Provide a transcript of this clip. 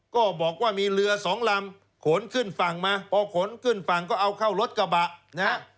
ก็บอกว่ามีเรือสองลำขนขึ้นฝั่งมาพอขนขึ้นฝั่งก็เอาเข้ารถกระบะนะฮะ